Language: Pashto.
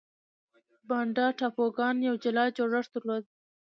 بانډا ټاپوګان یو جلا جوړښت درلود.